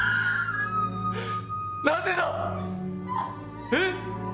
なぜだ！え？